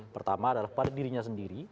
pertama adalah pada dirinya sendiri